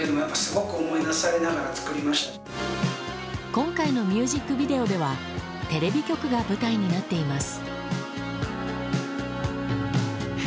今回のミュージックビデオではテレビ局が舞台になっています。